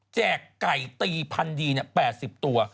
แจกไก่ตีพันธุ์ดีเนี่ย๘๐ตัว